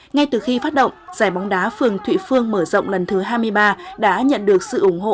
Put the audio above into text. ngay từ khi phát động giải bóng đá phường thụy phương mở rộng lần thứ hai mươi ba đã nhận được sự ủng hộ